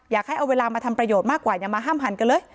อยากให้เอาเวลามาทำประโยชน์มากกว่าอย่ามาห้ามหันกันเลย